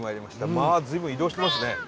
まあ随分移動してますね。